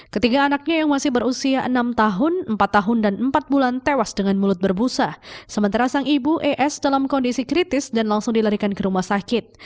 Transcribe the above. ketiga anaknya yang masih berusia enam tahun empat tahun dan empat bulan tewas dengan mulut berbusa sementara sang ibu es dalam kondisi kritis dan langsung dilarikan ke rumah sakit